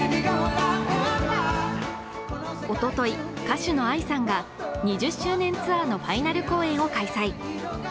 おととい、歌手のＡＩさんが２０周年ツアーのファイナル公演を開催。